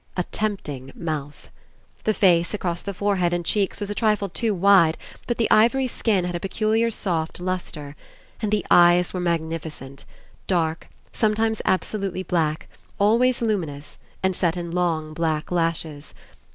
A tempting mouth. The face across the forehead and cheeks was a trifle too wide, but the ivory skin had a peculiar soft lustre. And the eyes were magnificent! dark, sometimes absolutely black, always luminous, and set in long, black lashes.